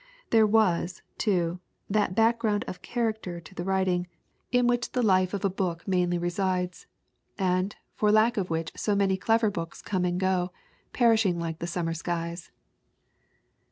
There was, too, that background of 'character' to the writing in which the HONORE WILLSIE 349 life of a book mainly resides, and for lack of which so many clever books come and go, perishing like the summer skies.